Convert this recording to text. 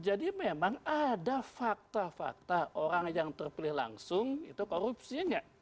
jadi memang ada fakta fakta orang yang terpilih langsung itu korupsinya